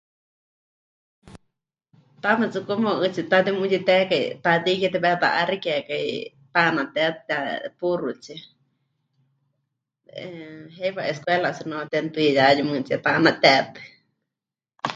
Taame tsɨ como 'ɨtsitá temutitekai Taatei Kie tepeta'axikekai tanatetɨ te'a... puuxutsie, 'eh, heiwa escuela o si no temɨtuiyayu mɨɨkɨtsíe tanatetɨ.